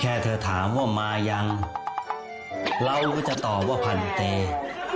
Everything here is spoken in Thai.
เธอถามว่ามายังเราก็จะตอบว่าพันเต